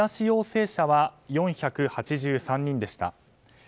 陽性者は４８３人でした。